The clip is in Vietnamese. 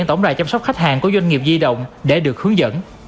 tổng đài chăm sóc khách hàng của doanh nghiệp di động để được hướng dẫn